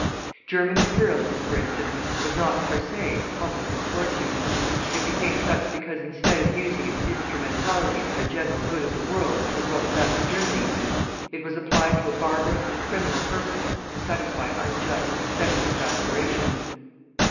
German Imperialism, for instance, was not per se a public misfortune. It became such because instead of using its instrumentality for the general good of the world as well as that of Germany, it was applied to a barbarous and criminal purpose to satisfy unjust and senseless aspirations.